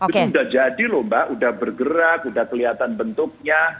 itu sudah jadi sudah bergerak sudah kelihatan bentuknya